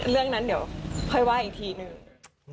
เรื่องนั้นเดี๋ยวค่อยว่าอีกทีหนึ่ง